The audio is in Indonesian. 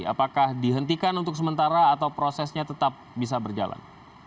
apakah dihentikan untuk sementara atau prosesnya tetap bisa berjalan